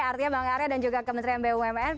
artinya bang arya dan juga kementerian bumn